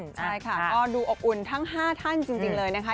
ใช่ค่ะก็ดูอบอุ่นทั้ง๕ท่านจริงเลยนะคะ